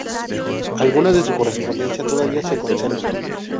Alguna de su correspondencia todavía se conserva.